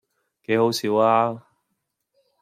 幾好笑呀